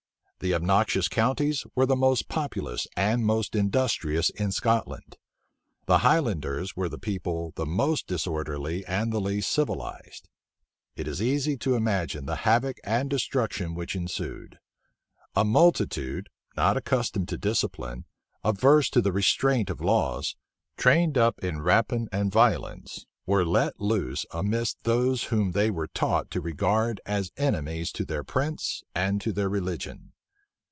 The obnoxious counties were the most populous and most industrious in Scotland. The Highlanders were the people the most disorderly and the least civilized. It is easy to imagine the havoc and destruction which ensued. A multitude, not accustomed to discipline, averse to the restraint of laws, trained up in rapine and violence, were let loose amidst those whom they were taught to regard as enemies to their prince and to their religion.